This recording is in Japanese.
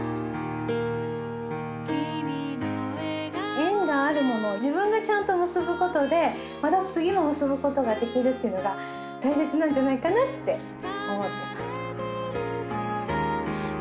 縁があるものを自分がちゃんと結ぶことでまた次も結ぶことができるっていうのが大切なんじゃないかなって思ってます。